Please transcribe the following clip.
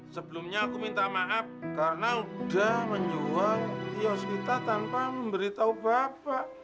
sebelumnya aku minta maaf karena sudah menjual kios kita tanpa memberitahu bapak